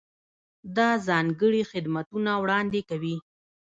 دا ځانګړي خدمتونه وړاندې کوي.